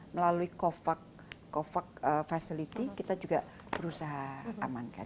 melalui covax facility kita juga berusaha amankan